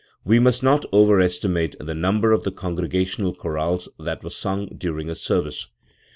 We must not over estimate the number of the congrega tional chorales that were sung during a service.